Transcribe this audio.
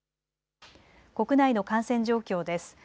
国内の感染状況です。